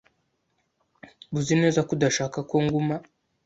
Uzi neza ko udashaka ko nguma?